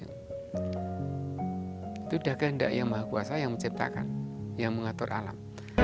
itu dah kehendak yang maha kuasa yang menciptakan yang mengatur alam